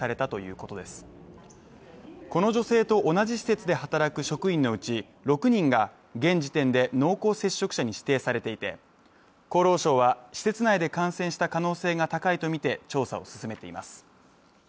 この女性と同じ施設で働く職員のうち６人が現時点で濃厚接触者に指定されていて、厚労省は施設内で感染した可能性が高いとみて調査を進めています。